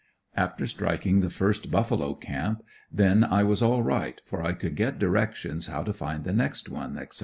After striking the first buffalo camp, then I was all right, for I could get directions how to find the next one, etc.